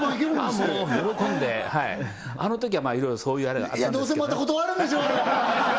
もう喜んであのときはまあいろいろそういうあれがあったんですけどどうせまた断るんでしょう